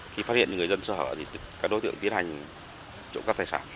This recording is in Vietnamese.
khi phát hiện người dân sơ hở thì các đối tượng tiến hành trụng cắt tài sản